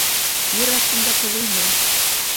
Ир аҫтында ҡыҙ үлмәй.